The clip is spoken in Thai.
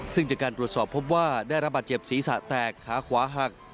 ซึ่งจากการตรวจสอบพบว่าได้รับบาดเจ็บศีรษะแตกขาขวาหัก